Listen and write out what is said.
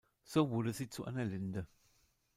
So wurde sie zu einer Linde.